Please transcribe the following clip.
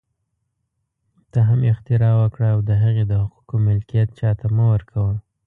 ته هم اختراع وکړه او د هغې د حقوقو ملکیت چا ته مه ورکوه